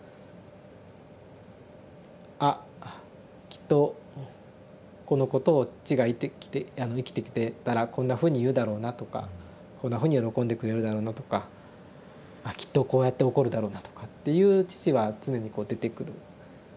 「あきっとこのことを父が生きてきてたらこんなふうに言うだろうな」とか「こんなふうに喜んでくれるだろうな」とか「あきっとこうやって怒るだろうな」とかっていう父は常にこう出てくる。